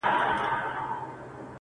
سترگه وره انجلۍ بيا راته راگوري.